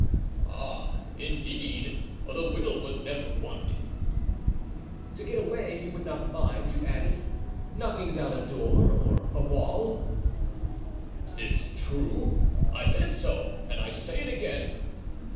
"Ah, indeed! the will was never wanting." "To get away you would not mind, you added, knocking down a door or a wall." "'Tis true—I said so, and I say it again."